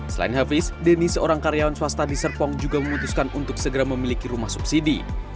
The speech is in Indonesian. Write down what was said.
selain hafiz denny seorang karyawan swasta di serpong juga memutuskan untuk segera memiliki rumah subsidi